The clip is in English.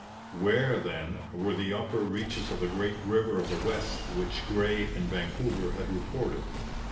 Where, then, were the upper reaches of the great River of the West which Gray and Vancouver had reported?